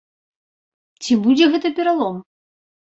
Ці будзе гэты пералом?